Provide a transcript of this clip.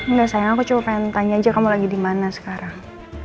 enggak sayang aku cuma pengen tanya aja kamu lagi di mana sekarang